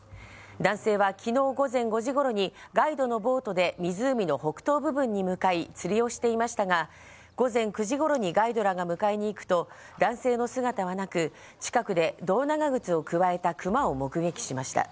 男性はきのう午前５時ごろに、ガイドのボートで湖の北東部分に向かい、釣りをしていましたが、午前９時ごろにガイドらが迎えに行くと、男性の姿はなく、近くで胴長靴をくわえたクマを目撃しました。